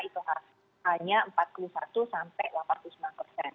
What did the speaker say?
itu hanya empat puluh satu sampai delapan puluh sembilan persen